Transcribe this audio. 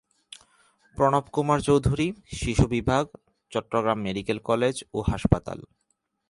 প্রণব কুমার চৌধুরী, শিশু বিভাগ, Chittagong medical college ও হাসপাতাল।